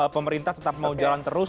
pemerintah tetap mau jalan terus